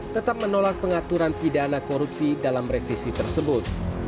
tetap menolak pengaturan pidana korupsi dalam revisi tersebut